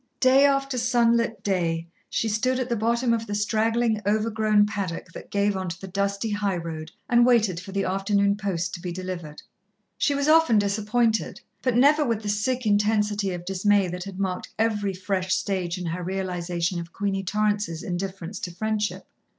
Day after sunlit day, she stood at the bottom of the straggling, over grown paddock that gave on to the dusty high road, and waited for the afternoon post to be delivered. She was often disappointed, but never with the sick intensity of dismay that had marked every fresh stage in her realization of Queenie Torrance's indifference to friendship.